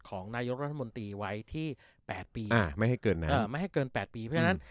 ของนายุดรัฐมนตร์วัยที่๘ปี